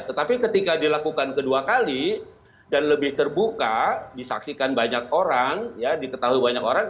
tetapi ketika dilakukan kedua kali dan lebih terbuka disaksikan banyak orang ya diketahui banyak orang